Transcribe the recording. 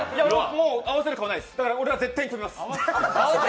もう合わせる顔ないです、だから俺は絶対に飛びます。